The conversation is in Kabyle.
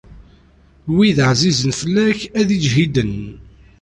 Wid ɛzizen fell-ak, ad iǧhiden.